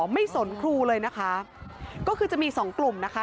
สนครูเลยนะคะก็คือจะมีสองกลุ่มนะคะ